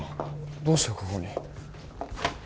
どうしてここに？